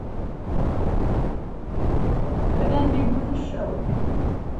He also appeared on "The Andy Griffith Show".